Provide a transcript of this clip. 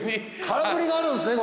空振りがあるんすね